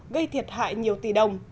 gây thiệt hại nhiều tỷ đồng